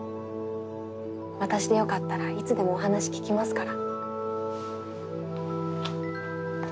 私でよかったらいつでもお話聞きますから。